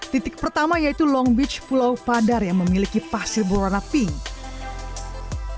titik pertama yaitu long beach pulau padar yang memiliki pasir berwarna pink